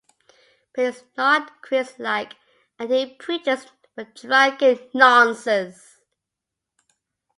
But he is not Christlike, and he preaches but drunken nonsense.